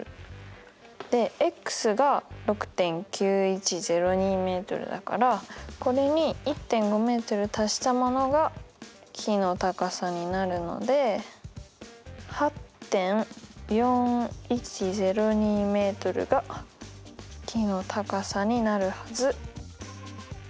でが６．９１０２ｍだからこれに１．５ｍ足したものが木の高さになるので８．４１０２ｍが木の高さになるはず。